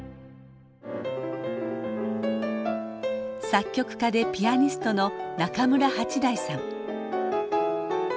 作曲家でピアニストの中村八大さん。